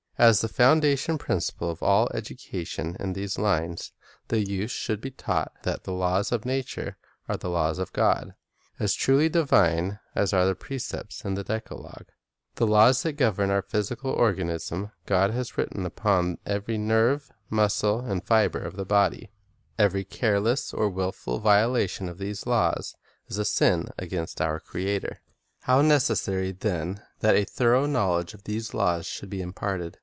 As the foundation principle of all education in these lines, the youth should be taught that the laws of nature are the laws of God, — as truly divine as are the precepts of the decalogue. The laws that govern our physical organism, God has written upon every nerve, muscle, Xature's Laws Divine Study of Physiology 197 and fiber of the body. Every careless or wilful viola tion of these laws is a sin against our Creator. How necessary, then, that a thorough knowledge of these laws should be imparted!